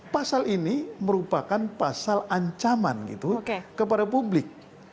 pasal ini merupakan pasal ancaman gitu kepada publik